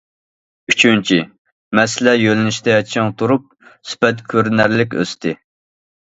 ئۈچىنچى، مەسىلە يۆنىلىشىدە چىڭ تۇرۇلۇپ، سۈپەت كۆرۈنەرلىك ئۆستى.